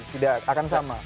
tidak akan sama